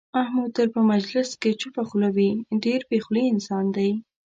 محمود تل په مجلس کې چوپه خوله وي، ډېر بې خولې انسان دی.